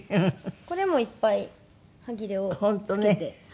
これもいっぱい端切れを付けて。